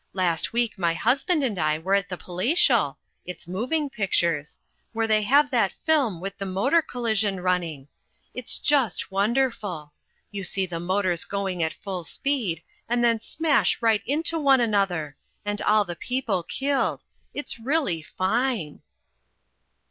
Last week my husband and I were at the Palatial it's moving pictures where they have that film with the motor collision running. It's just wonderful. You see the motors going at full speed, and then smash right into one another and all the people killed it's really fine."